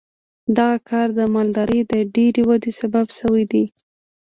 دغه کار د مالدارۍ د ډېرې ودې سبب شوی دی.